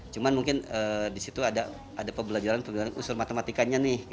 cuma mungkin di situ ada pebelajaran pebelajaran usur matematikanya nih